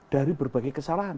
dari berbagai kesalahan